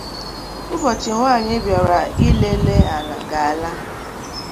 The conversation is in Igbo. ụbọchị nwaanyị bịara ilele ala ga-ala